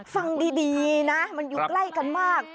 ฟังดีนะมันอยู่ใกล้กันมาก